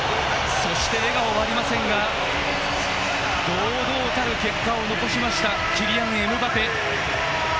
そして笑顔はありませんが堂々たる結果を残しましたキリアン・エムバペ。